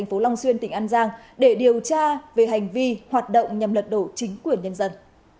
tp long xuyên tỉnh an giang để điều tra về hành vi hoạt động nhằm lật đổ chính quyền nhân dân